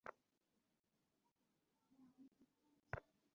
আমি চান্দেলের সাথে কথা বলব।